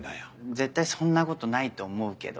絶対そんなことないと思うけど。